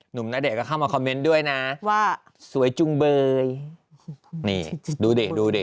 ณเดชนก็เข้ามาคอมเมนต์ด้วยนะว่าสวยจุงเบยนี่ดูดิดูดิ